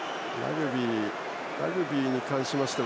ラグビーに関しましては。